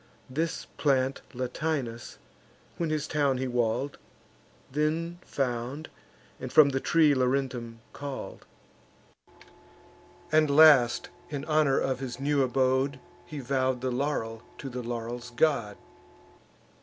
This plant Latinus, when his town he wall'd, Then found, and from the tree Laurentum call'd; And last, in honour of his new abode, He vow'd the laurel to the laurel's god.